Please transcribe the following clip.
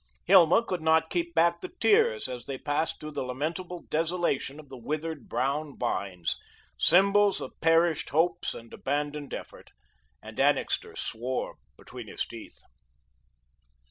Hilma could not keep back the tears as they passed through the lamentable desolation of the withered, brown vines, symbols of perished hopes and abandoned effort, and Annixter swore between his teeth.